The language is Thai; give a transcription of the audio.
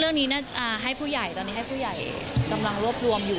เรื่องนี้น่าจะให้ผู้ใหญ่ตอนนี้ให้ผู้ใหญ่กำลังรวบรวมอยู่